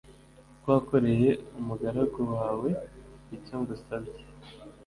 kuko wakoreye umugaragu wawe icyo ngusabye.